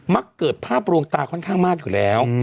ักเกิดภาพลวงตาค่อนข้างมากอยู่แล้ว